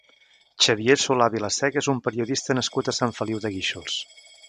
Xavier Solà Vilaseca és un periodista nascut a Sant Feliu de Guíxols.